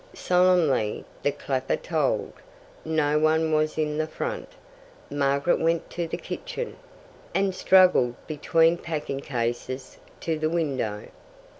Solemnly the clapper tolled. No one was in the front. Margaret went to the kitchen, and struggled between packing cases to the window.